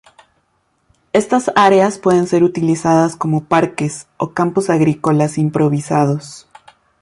Estas áreas pueden ser utilizadas como parques o campos agrícolas improvisados.